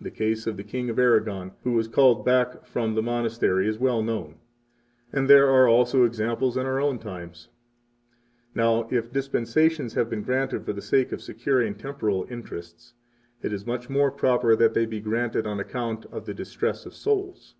The case of the King of Aragon who was called back from the monastery is well known, and there are also examples in our own times. [Now, if dispensations have been granted for the sake of securing temporal interests, it is much more proper that they be granted on account of the distress of souls.